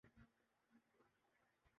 افسانہ طرازی اپنی جگہ مگر یہ امر واقعہ ہے کہ